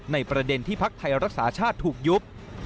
ประเด็นที่พักไทยรักษาชาติถูกยุบ